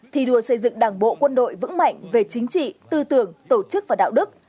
thi đua xây dựng đảng bộ quân đội vững mạnh về chính trị tư tưởng tổ chức và đạo đức